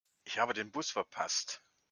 Ich habe den Bus verpasst.